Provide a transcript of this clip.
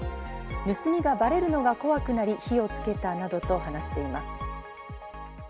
盗みがばれるのが怖くなり火をつけたなどと話しています。